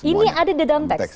ini ada di dalam teks